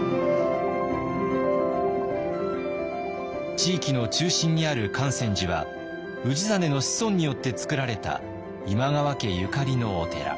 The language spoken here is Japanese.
地域の中心にある観泉寺は氏真の子孫によって造られた今川家ゆかりのお寺。